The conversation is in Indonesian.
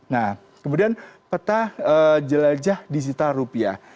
nah kemudian peta jelajah digital rupiah